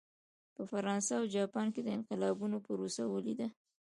په فرانسه او جاپان کې د انقلابونو پروسه ولیده.